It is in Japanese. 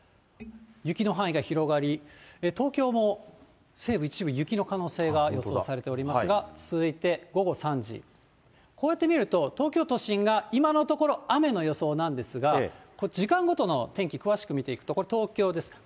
雪の範囲が広がり、東京も西部一部、雪の可能性が予想されておりますが、続いて午後３時、こうやって見ると、東京都心が今のところ雨の予想なんですが、時間ごとの天気、詳しく見ていくと、これ東京です。